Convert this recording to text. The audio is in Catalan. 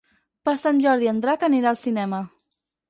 Per Sant Jordi en Drac anirà al cinema.